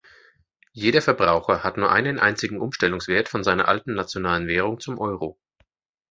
Jeder Verbraucher hat nur einen einzigen Umstellungswert von seiner alten nationalen Währung zum Euro.